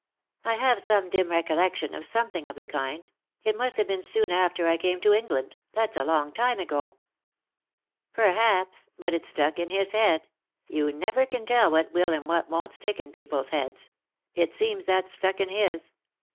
" I have some dim recollection of something of the kind ; it must have been soon after I came to England ; that's a long time ago." " Perhaps ; but it stuck in his head ; you never can tell what will and what won't stick in people's heads ; it seems that stuck in his.